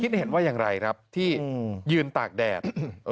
เห็นว่าอย่างไรครับที่ยืนตากแดด